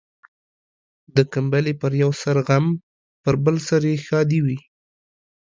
د کمبلي پر يوه سر غم ، پر بل سر يې ښادي وي.